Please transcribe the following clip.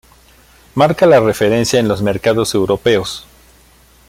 Marca la referencia en los mercados europeos.